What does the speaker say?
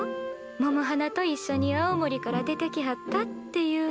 百はなと一緒に青森から出てきはったってゆう。